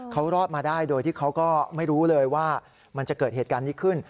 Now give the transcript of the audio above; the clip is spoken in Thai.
เขารอดมาได้โดยที่เขาก็ไม่รู้เลยว่ามันจะเกิดเหตุการณ์นี้ขึ้น